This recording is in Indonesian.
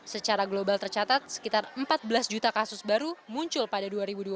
secara global tercatat sekitar empat belas juta kasus baru muncul pada dua ribu dua puluh